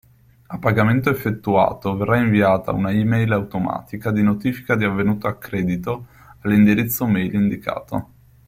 A pagamento effettuato verrà inviata una e-mail automatica di notifica di avvenuto accredito all'indirizzo mail indicato.